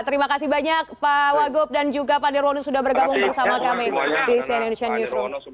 terima kasih banyak pak wagub dan juga pak nirwono sudah bergabung bersama kami di cnn indonesia newsroom